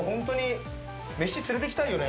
メシ連れて行きたいよね